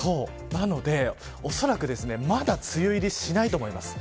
なので恐らく、まだ梅雨入りしないと思います。